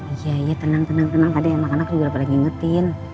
iya iya tenang tenang tenang tadi yang makan aku juga udah paling ngingetin